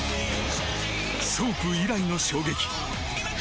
ソープ以来の衝撃。